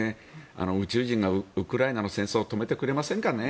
宇宙人がウクライナの戦争を止めてくれませんかね。